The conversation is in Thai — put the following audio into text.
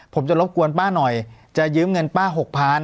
ผมจะรบกวนป้าหน่อยจะยืมเงินป้า๖๐๐๐